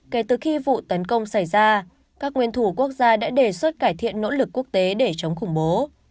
kể từ khi vụ tấn công xảy ra các nguyên thủ quốc gia đã đề xuất cải thiện nỗ lực quốc tế để chống khủng bố